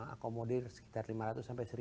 akomodir sekitar lima ratus sampai seribu